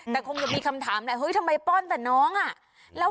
แต่คงจะมีคำถามแหละเฮ้ยทำไมป้อนแต่น้องอ่ะ